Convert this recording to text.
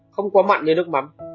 không quá mặn như nước mắm